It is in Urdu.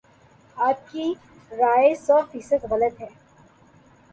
آپ کی رائے سو فیصد غلط ہے